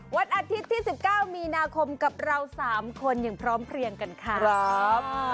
วันอาทิตย์ที่๑๙มีนาคมกับเรา๓คนอย่างพร้อมเพลียงกันค่ะครับ